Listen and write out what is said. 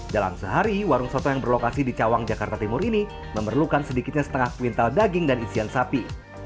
dalam sehari warung soto yang berlokasi di cawang jakarta timur ini memerlukan sedikitnya setengah kuintal daging dan isian sapi